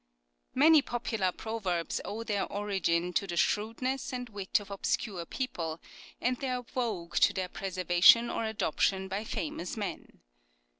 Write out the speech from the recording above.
Many popular proverbs owe their origin to the shrewdness and wit of obscure people, and their vogue to their preservation or adoption by famous men.